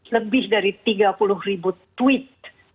lebih dari tiga puluh ribu tweet